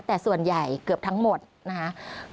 แต่ส่วนใหญ่เกือบทั้งหมดนะครับ